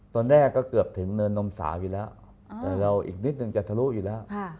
ตอนแรกก็เกือบถึงเนินนมสาวอยู่แล้วแต่เราอีกนิดนึงจะทะลุอยู่แล้ว